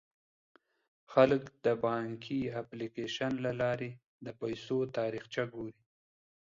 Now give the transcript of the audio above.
خلک د بانکي اپلیکیشن له لارې د پيسو تاریخچه ګوري.